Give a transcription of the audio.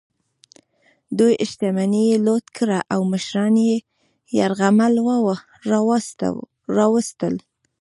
دوی شتمني یې لوټ کړه او مشران یې یرغمل راوستل.